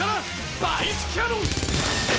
バイスキャノン！